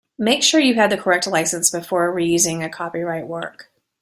Make sure you have the correct licence before reusing a copyright work